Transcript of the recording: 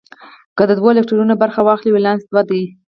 که دوه الکترونونه برخه واخلي ولانس دوه دی.